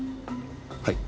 はい。